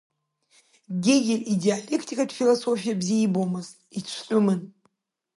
Гегель идиалектикатә философиа бзиа ибомызт, ицәтәымын.